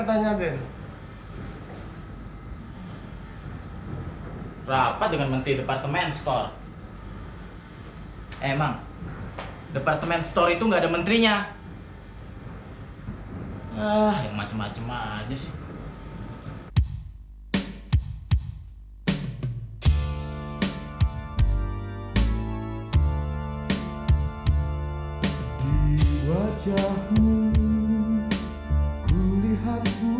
dan punya pihak